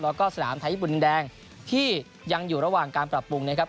แล้วก็สนามไทยญี่ปุ่นดินแดงที่ยังอยู่ระหว่างการปรับปรุงนะครับ